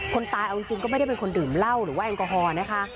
คนตายเอาจริงก็ไม่ได้เป็นคนดื่มเหล้าหรือว่าแอลกอฮอล์นะคะ